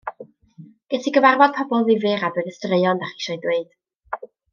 Ges i gyfarfod pobl ddifyr a dweud y straeon 'da chi isio'u dweud.